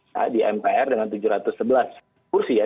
saya di mpr dengan tujuh ratus sebelas kursi ya